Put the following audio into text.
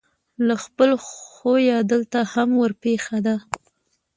له خپل خویه دلته هم ورپېښه ده.